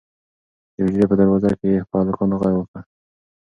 د حجرې په دروازه کې یې په هلکانو غږ وکړ.